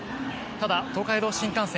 ただ、東海道新幹線